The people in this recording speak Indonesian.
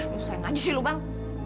lu sayang aja sih lu bang